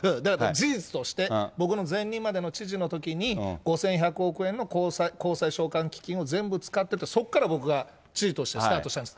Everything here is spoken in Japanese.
事実として、僕の前任までの知事のときに５１００億円の公債償還基金を全部使ってて、そこから僕が知事としてスタートしたんです。